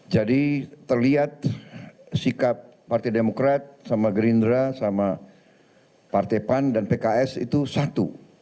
jadi terlihat sikap partai demokrat sama gerindra sama partai pan dan pks itu satu